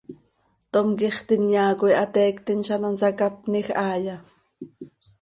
¿Tom quixt inyaa coi hateiictim z ano nsacapnij haaya?